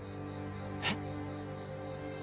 えっ？